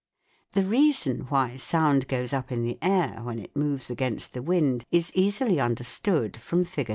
The reason why sound goes up in the air when it moves against the wind is easily understood from Fig.